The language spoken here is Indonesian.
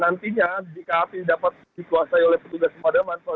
nantinya jika api dapat dikuasai oleh petugas pemadaman